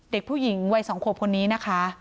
เด็กผู้หญิงวัย๒ขวบคนนี้นะคะ